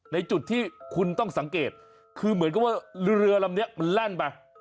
ในจุดที่คุณต้องสังเกตคือเหมือนกับว่าเรือแร่งไป